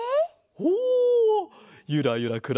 ほうゆらゆら